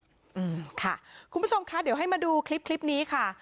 อืมค่ะคุณผู้ชมคะเดี๋ยวให้มาดูคลิปคลิปนี้ค่ะ